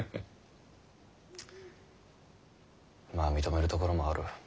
まあ認めるところもある。